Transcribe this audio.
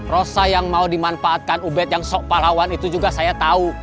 rosa yang mau dimanfaatkan ubed yang sok pahlawan itu juga saya tahu